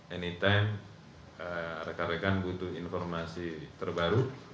anytime rekan rekan butuh informasi terbaru